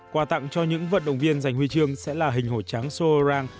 quà tặng cho những vận động viên dành huy chương sẽ là hình hồi trắng seoul rang